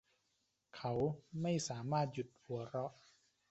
เขาไม่สามารถหยุดหัวเราะ